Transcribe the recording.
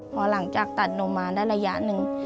พอหลังจากตัดนมมาได้ระยะหนึ่ง